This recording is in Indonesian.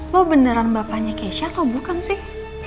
lo beneran bapaknya keisha atau bukan sih